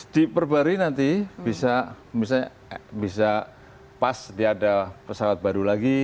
diperbarui nanti bisa pas dia ada pesawat baru lagi